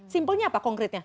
simpelnya apa konkretnya